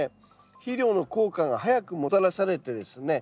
肥料の効果が速くもたらされてですね